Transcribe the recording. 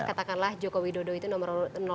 katakanlah joko widodo itu nomor